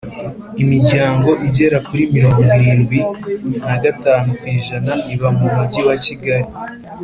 imiryango igera kuri mirongo irindwi na gatanu ku ijana iba mu mujyi wa kigali